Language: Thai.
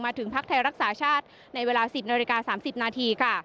ถึงพักไทยรักษาชาติในเวลา๑๐นาฬิกา๓๐นาทีค่ะ